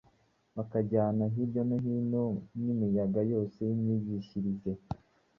bakajyanwa hirya no hino n’imiyaga yose y’imyigishirize;”